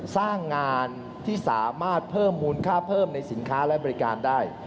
สร้างงานที่สามารถเพิ่มมูลค่าเพิ่มในสินค้าและบริการได้